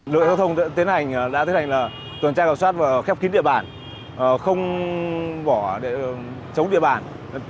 lựa giao thông đã thiết hành là tuần trai cầu soát và khép kín địa bàn không bỏ để chống địa bàn